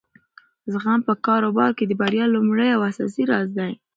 زغم په کاروبار کې د بریا لومړی او اساسي راز دی.